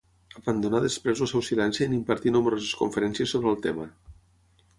Abandonà després el seu silenci en impartir nombroses conferències sobre el tema.